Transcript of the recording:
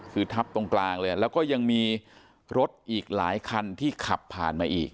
คือทับตรงกลางเลยแล้วก็ยังมีรถอีกหลายคันที่ขับผ่านมาอีก